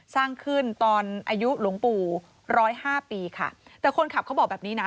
สร้างขึ้นตอนอายุหลวงปู่ร้อยห้าปีค่ะแต่คนขับเขาบอกแบบนี้นะ